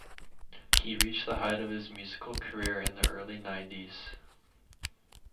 He reached the height of his musical career in the early nineties.